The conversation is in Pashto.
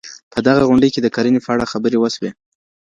په دغه غونډې کي د کرني په اړه خبري وسوې.